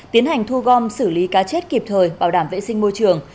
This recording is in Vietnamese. tiến hành thu gom xử lý cá chết kịp thời bảo đảm vệ sinh môi trường